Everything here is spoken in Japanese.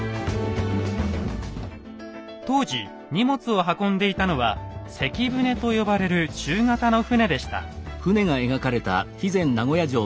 当時荷物を運んでいたのは「関船」と呼ばれる中型の船でした。